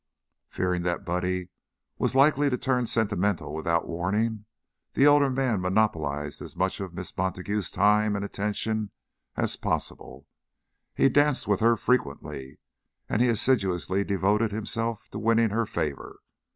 Fearing that Buddy was likely to turn sentimental without warning, the elder man monopolized as much of "Miss Montague's" time and attention as possible; he danced with her frequently, and he assiduously devoted himself to winning her favor.